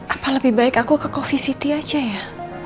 apa lebih baik aku ke coffee city aja ya